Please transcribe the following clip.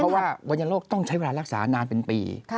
เพราะว่าวรรณโรคต้องใช้เวลารักษานานเป็นปี